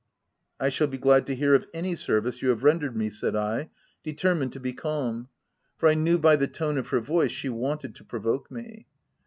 " I shall be glad to hear of any service you OF W1LDFELL HALL. 325 have rendered me," said I, determined to be calm, for I knew by the tone of her voice she wanted to provoke me.